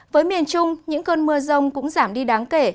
với miền trung những cơn mưa rông cũng giảm đi đáng kể